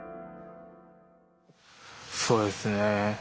そうですね